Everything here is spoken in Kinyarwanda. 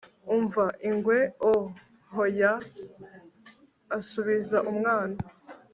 umva, ingwe! - oh! oya, asubiza umwana